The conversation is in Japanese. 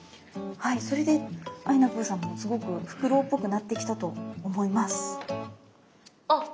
はいそれであいなぷぅさんもすごくフクロウっぽくなってきたと思います。